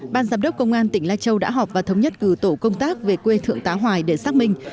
ban giám đốc công an tỉnh lai châu đã họp và thống nhất cử tổ công tác về quê thượng tá hoài để xác minh